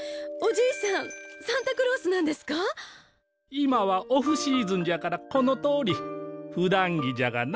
今はオフシーズンじゃからこのとおりふだん着じゃがな。